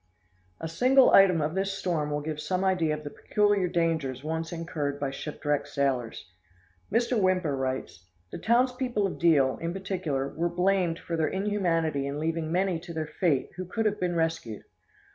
A single item of this storm will give some idea of the peculiar dangers once incurred by shipwrecked sailors. Mr. Whymper writes, "The townspeople of Deal, in particular, were blamed for their inhumanity in leaving many to their fate who could have been rescued.